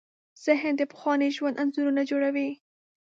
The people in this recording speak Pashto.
ذهن د پخواني ژوند انځورونه جوړوي.